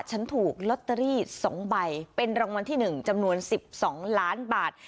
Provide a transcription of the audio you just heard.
ฉันถูกลอตเตอรี่๒ใบเป็นรางวัลที่๑จำนวน๑๒ล้านบาท